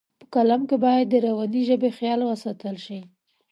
په کالم کې باید د روانې ژبې خیال وساتل شي.